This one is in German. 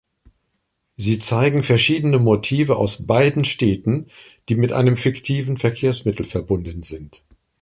Sie zeigen verschiedene Motive aus beiden Städten, die mit einem fiktiven Verkehrsmittel verbunden sind.